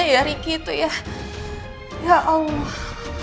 tapi nino gak tau kan